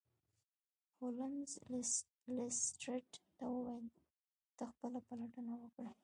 هولمز لیسټرډ ته وویل چې ته خپله پلټنه وکړه.